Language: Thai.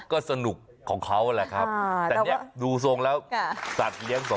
ก็สนุกของเขาแหละครับ